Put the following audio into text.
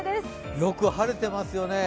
よく晴れてますよね。